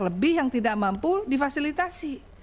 lebih yang tidak mampu difasilitasi